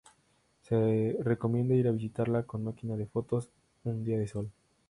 Se recomienda ir a visitarla con máquina de fotos un día de sol.